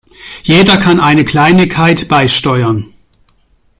Jeder kann eine Kleinigkeit beisteuern.